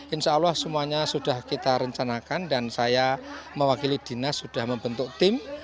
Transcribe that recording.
insya allah semuanya sudah kita rencanakan dan saya mewakili dinas sudah membentuk tim